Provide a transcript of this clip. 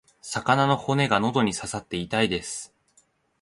魚の骨が喉に刺さって痛いです。